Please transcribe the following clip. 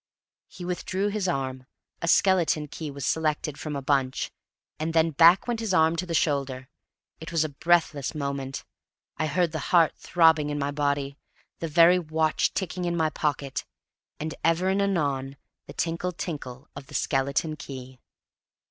He withdrew his arm, a skeleton key was selected from the bunch, and then back went his arm to the shoulder. It was a breathless moment. I heard the heart throbbing in my body, the very watch ticking in my pocket, and ever and anon the tinkle tinkle of the skeleton key.